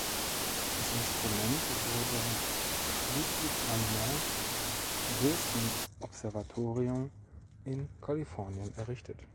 Das Instrument wurde schließlich am Mount-Wilson-Observatorium in Kalifornien errichtet.